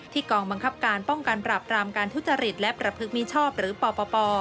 กองบังคับการป้องกันปรับรามการทุจริตและประพฤติมิชชอบหรือปป